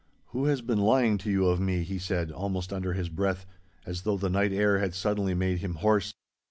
'Who has been lying to you of me?' he said, almost under his breath, as though the night air had suddenly made him hoarse.